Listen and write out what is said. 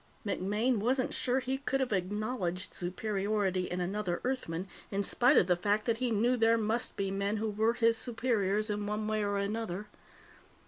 MacMaine wasn't sure he could have acknowledged superiority in another Earthman, in spite of the fact that he knew that there must be men who were his superiors in one way or another.